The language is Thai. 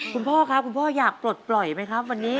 คุณพ่อครับคุณพ่ออยากปลดปล่อยไหมครับวันนี้